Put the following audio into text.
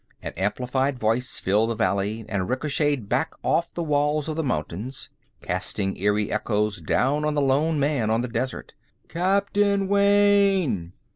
An amplified voice filled the valley and ricocheted back off the walls of the mountains, casting eerie echoes down on the lone man on the desert. "CAPTAIN WAYNE!